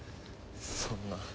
そんな。